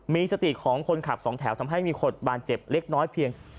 มีสติของคนขับสองแถวทำให้มีคนบาดเจ็บเล็กน้อยเพียง